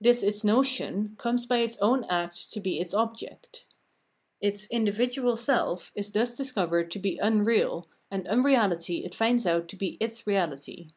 This its notion comes by its own act to be its object. Its (individual) self is thus discovered to be unreal, and unreahty it finds out to be its reahty.